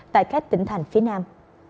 tại khách tỉnh thành phía nam